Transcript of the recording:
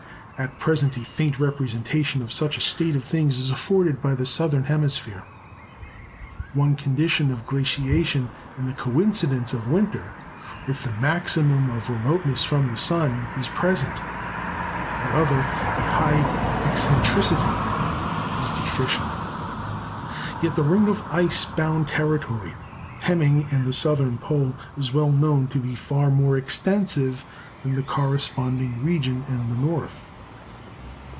At present a faint representation of such a state of things is afforded by the southern hemisphere. One condition of glaciation in the coincidence of winter with the maximum of remoteness from the sun, is present; the other a high eccentricity is deficient. Yet the ring of ice bound territory hemming in the southern pole is well known to be far more extensive than the corresponding region in the north.